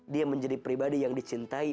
dia menjadi pribadi yang dicintai